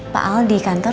pak al di kantor